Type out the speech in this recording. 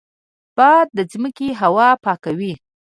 باد د ځمکې هوا پاکوي